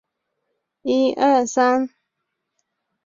毕业于山东建筑工程学院房屋建筑设计专业。